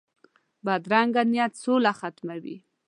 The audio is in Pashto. بدرنګه نیت سوله ختموي